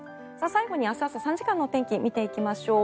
最後に明日朝３時間のお天気を見ていきましょう。